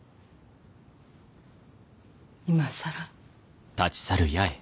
今更。